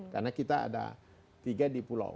karena kita ada tiga di pulau